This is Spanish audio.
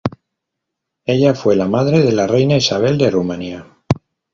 Ella fue la madre de la reina Isabel de Rumania.